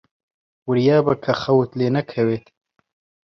وریابە کە خەوت لێ نەکەوێت.